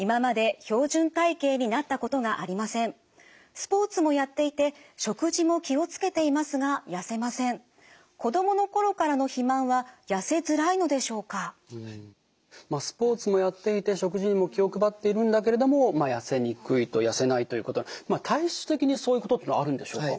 スポーツもやっていて食事にも気を配っているんだけれども痩せにくいと痩せないということ体質的にそういうことというのはあるんでしょうか？